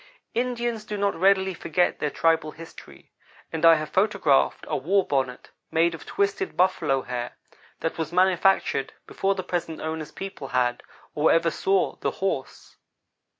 Indians do not readily forget their tribal history, and I have photographed a war bonnet, made of twisted buffalo hair, that was manufactured before the present owner's people had, or ever saw, the horse.